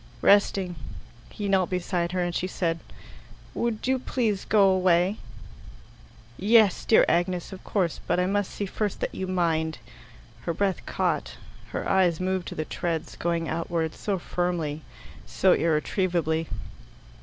"Resting." He knelt beside her, and she said, "Would you please go away?" "Yes, dear Agnes, of course; but I must see first that you mind." Her breath caught. Her eves moved to the treads, going outwards, so firmly, so irretrievably.